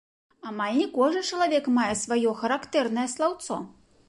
Амаль не кожны чалавек мае сваё характэрнае слаўцо.